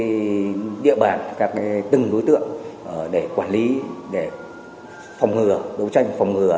những địa bàn các cái từng đối tượng để quản lý để phòng ngừa đấu tranh phòng ngừa